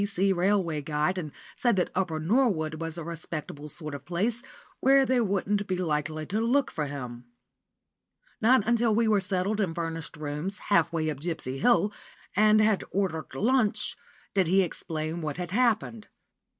B.C." Railway Guide, and said that Upper Norwood was a respectable sort of place, where they wouldn't be likely to look for him. Not until we were settled in furnished rooms, half way up Gipsy Hill, and had ordered lunch, did he explain what had happened.